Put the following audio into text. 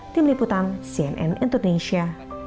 tim liputan cnn indonesia